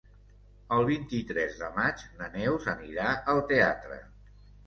El vint-i-tres de maig na Neus anirà al teatre.